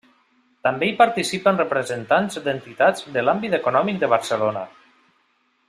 També hi participen representants d'entitats de l'àmbit econòmic de Barcelona.